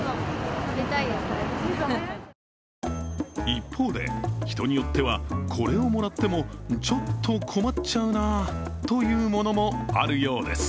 一方で、人によっては、これをもらってもちょっと困っちゃうなというものもあるようです。